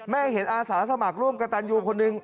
แม่เห็นอาสาสมัครร่วมกับอยู่คนหนึ่ง